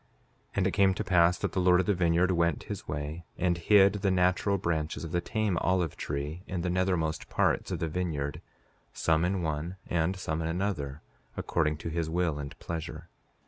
5:14 And it came to pass that the Lord of the vineyard went his way, and hid the natural branches of the tame olive tree in the nethermost parts of the vineyard, some in one and some in another, according to his will and pleasure.